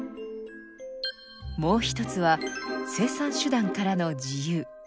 もう一つは生産手段からの自由。